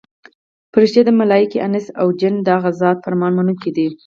فرښتې، ملایکې، انس او جن د هغه ذات فرمان منونکي دي.